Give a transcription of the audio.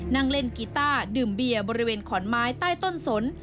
นั่งเล่นกีต้าดื่มเบียร์บริเวณขอนไม้ใต้ต้นสน